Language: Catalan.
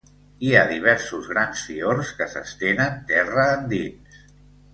Hi ha diversos grans fiords que s'estenen terra endins.